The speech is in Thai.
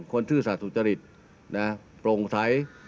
ซื่อสัตว์สุจริตโปร่งใส